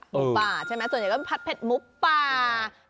หมูป่าใช่ไหมส่วนใหญ่ก็ผัดเผ็ดหมูป่า